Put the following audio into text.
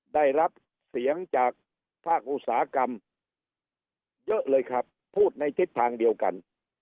ได้รับเสียงจากภาคอุตสาหกรรมเยอะเลยครับพูดในทิศทางเดียวกัน